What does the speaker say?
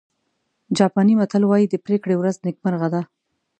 جاپاني متل وایي د پرېکړې ورځ نیکمرغه ده.